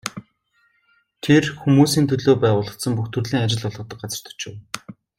Тэр хүмүүсийн төлөө байгуулагдсан бүх төрлийн ажил олгодог газарт очив.